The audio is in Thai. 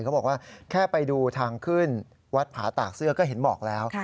เขาบอกว่าแค่ไปดูทางขึ้นวัดผาตากเสื้อก็เห็นหมอกแล้ว